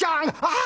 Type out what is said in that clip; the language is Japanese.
「ああ！